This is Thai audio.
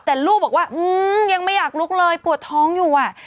แต่ลูกบอกว่ายังไม่อยากลุกเลยปวดท้องอยู่อ่ะ